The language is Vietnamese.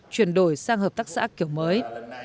chuyển đổi sang hợp tác xã kiểu mới